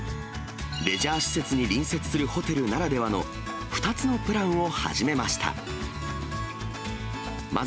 レジャー施設に隣接ホテルならではの２つのプランを始めました。